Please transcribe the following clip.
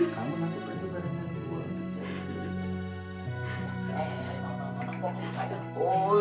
kamu nanti baru mau mencari